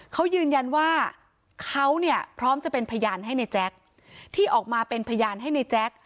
เขายืนยันว่าเขาเนี่ยพร้อมจะเป็นพยานให้ในแจ๊คที่ออกมาเป็นพยานให้ในแจ๊ค